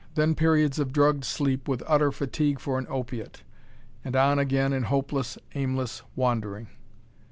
Then periods of drugged sleep with utter fatigue for an opiate and on again in hopeless, aimless wandering.